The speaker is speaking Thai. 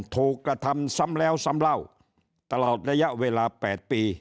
กระทำซ้ำแล้วซ้ำเล่าตลอดระยะเวลา๘ปี